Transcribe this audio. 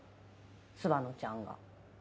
諏訪野ちゃんが。